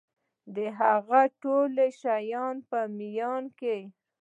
د هغه ټولو شیانو په میان کي